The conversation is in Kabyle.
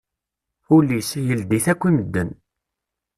Ul-is, yeldi-t akk i medden.